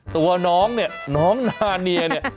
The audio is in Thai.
ตัวน้องเนี่ยน้องนาเนียเนี่ย